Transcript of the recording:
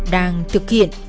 đang thực hiện